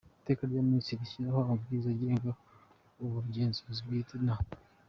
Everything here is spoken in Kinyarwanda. Iteka rya Minisitiri rishyiraho Amabwiriza agenga Ubugenzuzi bwite na.